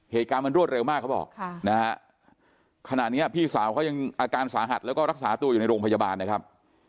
เหตุการณ์มันรวดเร็วมากเขาบอกนะฮะขณะนี้พี่สาวเขายังอาการสาหัสแล้วก็รักษาตัวอยู่ในโรงพยาบาลนะครับ